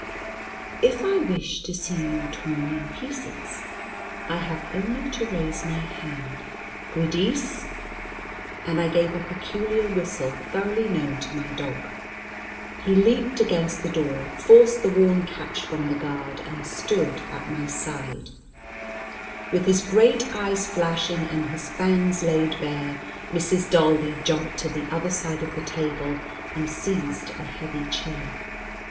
"If I wish to see you torn in pieces, I have only to raise my hand. Giudice!" And I gave a peculiar whistle thoroughly known to my dog. He leaped against the door, forced the worn catch from the guard, and stood at my side, with his great eyes flashing and his fangs laid bare. Mrs. Daldy jumped to the other side of the table, and seized a heavy chair.